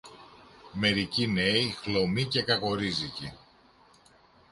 Μερικοί νέοι, χλωμοί και κακορίζικοι